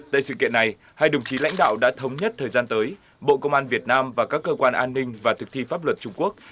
tại sự kiện này hai đồng chí lãnh đạo đã thống nhất thời gian tới bộ công an việt nam và các cơ quan an ninh và thực thi pháp luật trung quốc